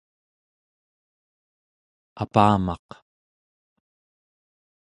apamaq